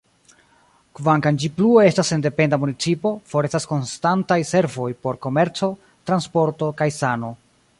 Kvankam ĝi plue estas sendependa municipo, forestas konstantaj servoj por komerco, transporto kaj sano.